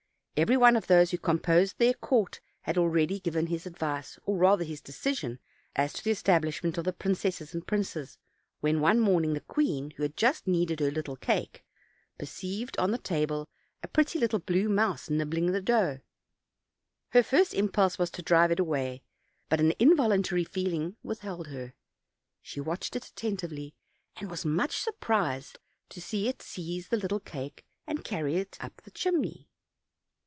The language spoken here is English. Every one of those who composed their court had already given his advice, or rather his deci sion, as to the establishment of the princesses and princes, when one morning the queen, who had just kneaded her little cake, perceived on the table a pretty little blue mouse nibbling the dough; her first impulse was to drive it away, but an involuntary feeling withheld her; she watched it attentively, and was much surprised to see it 248 OLD, OLD FAIRY TALES. seize the little cake and carry it tip the chimney.